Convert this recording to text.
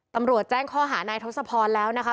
ตำรวจแจ้งข้อหานายทศพรแล้วนะคะ